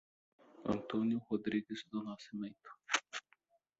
Antônio Rodrigues do Nascimento